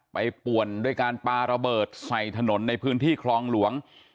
ป่วนด้วยการปลาระเบิดใส่ถนนในพื้นที่คลองหลวง